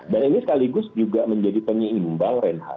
dan ini sekaligus juga menjadi penyeimbang